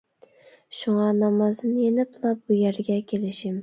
شۇڭا نامازدىن يېنىپلا بۇ يەرگە كېلىشىم.